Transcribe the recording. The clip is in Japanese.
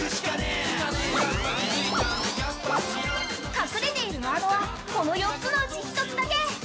隠れているワードはこの４つのうち１つだけヶ。